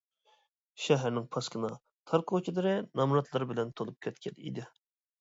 شەھەرنىڭ پاسكىنا، تار كوچىلىرى نامراتلار بىلەن تولۇپ كەتكەن ئىدى.